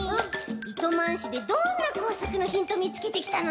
糸満市でどんな工作のヒントみつけてきたの？